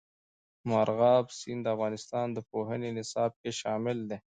مورغاب سیند د افغانستان د پوهنې نصاب کې شامل دي.